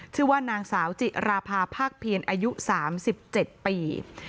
ชื่อว่านางสาวจิราภาคเพียรอายุ๓๗ปี